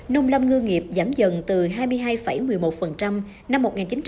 nông lâm ngư nghiệp giảm dần từ hai mươi hai một mươi một năm một nghìn chín trăm chín mươi